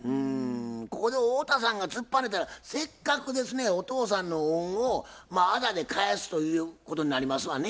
ここで太田さんが突っぱねたらせっかくですねお父さんの恩をあだで返すということになりますわね。